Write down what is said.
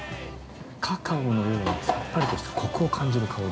◆カカオのようにさっぱりとしたコクを感じる香り。